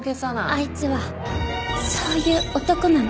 あいつはそういう男なの。